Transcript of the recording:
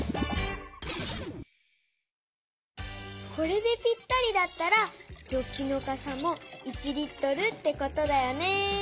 これでぴったりだったらジョッキのかさも１Ｌってことだよね。